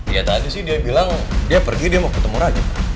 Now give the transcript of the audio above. ya tadi sih dia bilang dia pergi dia mau ketemu raja